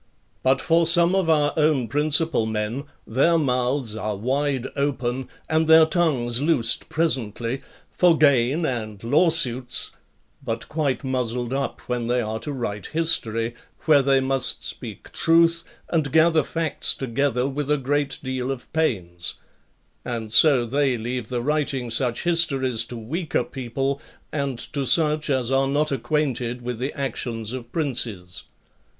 But for some of our own principal men, their mouths are wide open, and their tongues loosed presently, for gain and law suits, but quite muzzled up when they are to write history, where they must speak truth and gather facts together with a great deal of pains; and so they leave the writing such histories to weaker people, and to such as are not acquainted with the actions of princes.